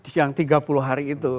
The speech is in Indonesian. yang tiga puluh hari itu